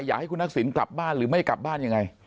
อยากให้คุณทักษิณกลับบ้านหรือไม่กลับบ้านยังไง